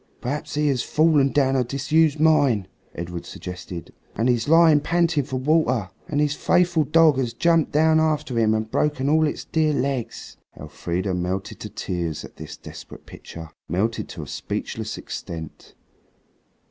"Perhaps he has fallen down a disused mine," Edred suggested, "and is lying panting for water, and his faithful dog has jumped down after him and broken all its dear legs." Elfrida melted to tears at this desperate picture, melted to a speechless extent.